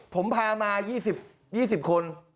ผมพามา๒๐คน